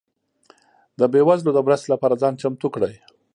ده بيوزلو ده مرستي لپاره ځان چمتو کړئ